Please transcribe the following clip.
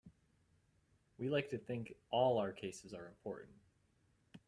We like to think all our cases are important.